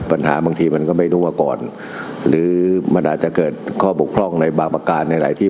บางทีมันก็ไม่รู้มาก่อนหรือมันอาจจะเกิดข้อบกพร่องในบางประการในหลายที่